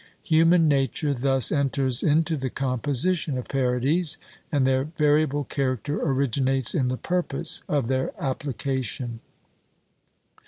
Human nature thus enters into the composition of parodies, and their variable character originates in the purpose of their application.